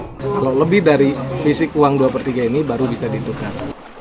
kalau lebih dari fisik uang dua per tiga ini baru bisa ditukar